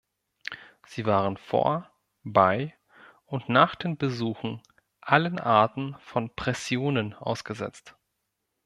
Sie waren vor, bei und nach den Besuchen allen Arten von Pressionen ausgesetzt.